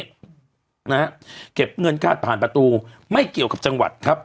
นะฮะเก็บเงินคาดผ่านประตูไม่เกี่ยวกับจังหวัดครับ